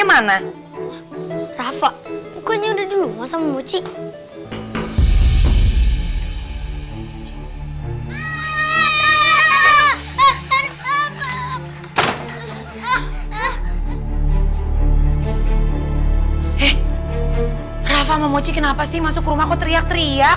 kemana rafa bukannya udah dulu masa mochi eh rafa mochi kenapa sih masuk rumah kau teriak teriak